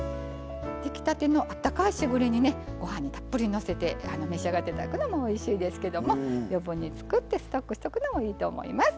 出来たての温かいしぐれ煮をご飯にたっぷりのせて召し上がっていただくのもおいしいですけども余分に作ってストックしておくのもいいと思います。